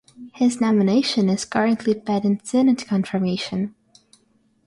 His nomination is currently pending Senate confirmation.